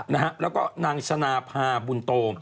นะฮะแล้วก็นางชนาภาบุญโต